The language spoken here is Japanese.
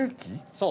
そう。